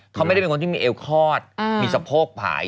เขาไม่ได้มีเอวคลอดมีสโภคผลาย